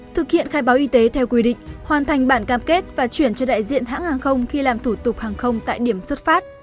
thực hiện khai báo y tế theo quy định hoàn thành bản cam kết và chuyển cho đại diện hãng hàng không khi làm thủ tục hàng không tại điểm xuất phát